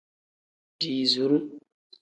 Diiziru.